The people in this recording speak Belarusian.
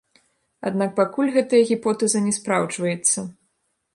Аднак пакуль гэтая гіпотэза не спраўджваецца.